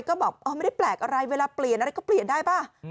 ก็บอกไม่ได้แปลกอะไรเวลาเปลี่ยนอะไรก็เปลี่ยนได้ป่ะ